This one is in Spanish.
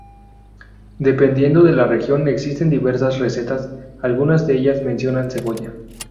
Dependiendo de la región existen diversas recetas, algunas de ellas mencionan cebolla.